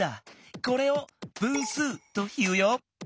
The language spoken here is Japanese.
これを「分数」というよ。